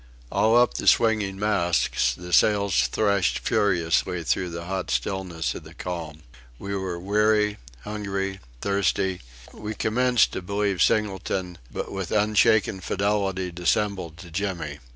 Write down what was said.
All up the swinging masts the sails thrashed furiously through the hot stillness of the calm. We were weary, hungry, thirsty; we commenced to believe Singleton, but with unshaken fidelity dissembled to Jimmy.